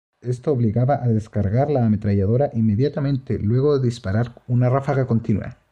Esto obligaba a descargar la ametralladora inmediatamente luego de disparar una ráfaga continua.